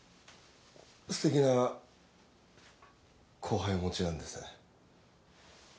すてきな後輩をお持ちなんですね。